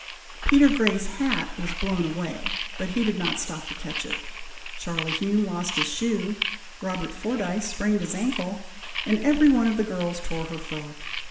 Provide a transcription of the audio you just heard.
Peter Grey's hat was blown away, but he did not stop to catch it. Charlie Hume lost his shoe, Robert Fordyce sprained his ancle, and every one of the girls tore her frock.